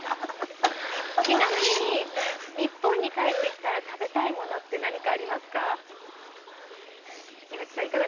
ちなみに、日本に帰ってきたら、食べたいものって何かありますか？